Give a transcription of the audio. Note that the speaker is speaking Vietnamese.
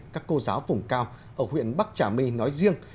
các cô giáo vùng cao ở huyện bắc trà my nói riêng